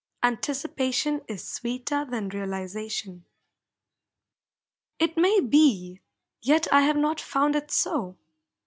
"Anticipation is sweeter than realization." It may be, yet I have not found it so.